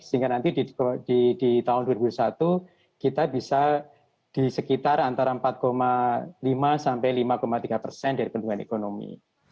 sehingga nanti di tahun dua ribu satu kita bisa di sekitar antara empat lima sampai lima tiga persen dari bendungan ekonomi